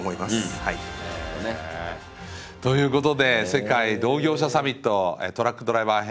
ということで世界同業者サミットトラックドライバー編